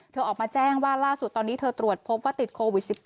ออกมาแจ้งว่าล่าสุดตอนนี้เธอตรวจพบว่าติดโควิด๑๙